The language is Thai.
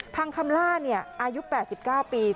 พังคำล่านี่อายุ๘๙ปี